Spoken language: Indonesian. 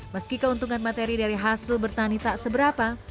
meski keuntungan materi dari hasil bertani tak seberapa